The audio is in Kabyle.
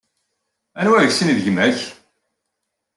Anwa deg-sen ay d gma-k?